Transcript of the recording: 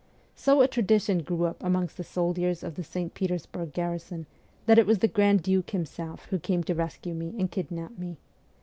So a tradition grew up amongst the soldiers of the St. Petersburg garrison that it was the grand duke himself who came to rescue me and kidnapped me.